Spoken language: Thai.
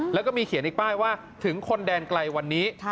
แล้วก็มีเขียนอีกป้ายว่าถึงคนแดนไกลวันนี้